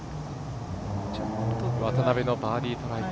渡邉のバーディートライ。